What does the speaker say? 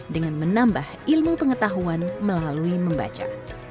dengan menambah ilmu pengetahuan melalui membaca